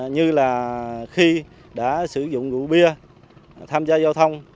như là khi đã sử dụng rượu bia tham gia giao thông